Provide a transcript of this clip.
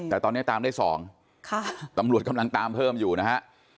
แต่ตอนนี้ตามได้๒ตำรวจกำลังตามเพิ่มอยู่นะฮะ